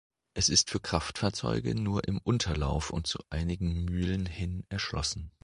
Es ist für Kraftfahrzeuge nur im Unterlauf und zu einigen Mühlen hin erschlossen.